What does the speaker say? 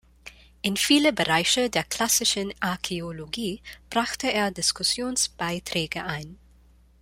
In viele Bereiche der Klassischen Archäologie brachte er Diskussionsbeiträge ein.